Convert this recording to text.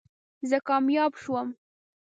زه کامیاب شوم